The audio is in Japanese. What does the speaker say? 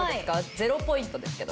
０ポイントですけど。